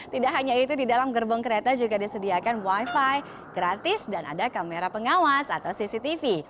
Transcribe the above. tidak hanya itu di dalam gerbong kereta juga disediakan wifi gratis dan ada kamera pengawas atau cctv